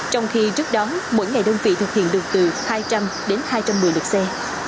trong khi rất đóng mỗi ngày đơn vị thực hiện được từ hai trăm linh hai trăm một mươi lịch xe